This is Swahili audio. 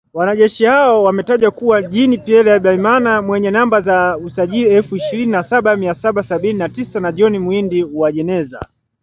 Wanajeshi hao wametajwa kuwa Jean Pierre Habyarimana mwenye namba za usajili elfu ishirini na saba mia saba sabini na tisa na John Muhindi Uwajeneza.